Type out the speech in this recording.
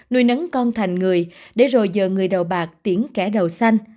nuôi nắng con thành người để rồi giờ người đầu bạc tiễn kẻ đầu xanh